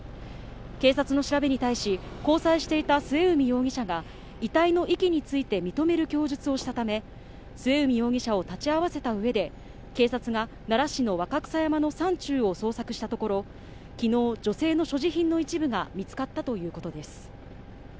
警察の調べに対し交際していた末海容疑者が遺体の遺棄について認める供述をしたため、末海容疑者を立ち会わせた上で警察が奈良市の若草山の山中を捜索したところ、昨日女性の所持品の一部が見つかったということです。